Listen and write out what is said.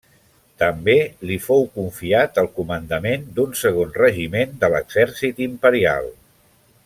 També li fou confiat el comandament d'un segon regiment de l'Exèrcit Imperial.